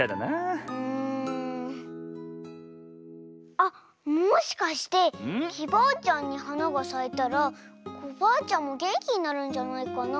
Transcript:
あっもしかしてきバアちゃんにはながさいたらコバアちゃんもげんきになるんじゃないかな？